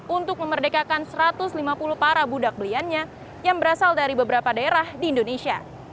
untuk memerdekakan satu ratus lima puluh para budak beliannya yang berasal dari beberapa daerah di indonesia